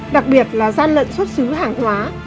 đặc biệt là gian lận xuất xứ hàng hóa